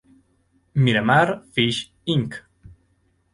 Miramar Fish, Inc.